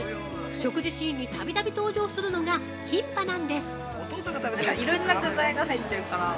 食事シーンにたびたび登場するのがキンパなんです。